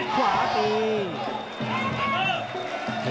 ขวาตี